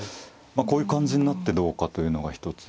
こういう感じになってどうかというのが一つ。